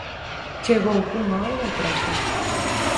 Chegou cunha hora de atraso.